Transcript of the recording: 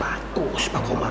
bagus pak komar